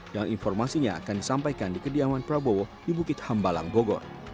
dan informasinya akan disampaikan di kediaman prabowo di bukit hambalang bogor